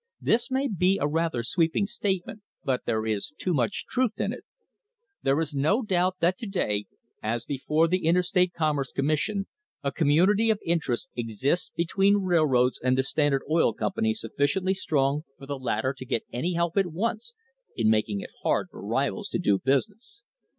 This may be a rather sweeping statement, but there is too much truth in it. There is no doubt that to day, as before THE HISTORY OF THE STANDARD OIL COMPANY the Interstate Commerce Commission, a community of interests exists between railroads and the Standard Oil Company suffi ciently strong for the latter to get any help it wants in making it hard for rivals to do business.